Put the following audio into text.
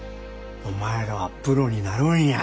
お前らはプロになるんや。